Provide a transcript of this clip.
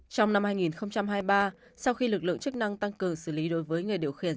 trong năm hai nghìn hai mươi ba sau khi lực lượng chức năng tăng cường xử lý đối với người điều khiển